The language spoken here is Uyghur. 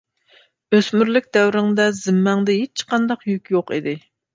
ئۆسمۈرلۈك دەۋرىڭدە زىممەڭدە ھېچقانداق يۈك يوق ئىدى.